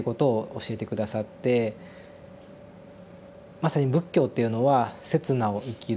まさに仏教というのは「刹那を生きる」。